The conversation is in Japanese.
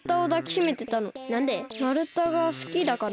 まるたがすきだから？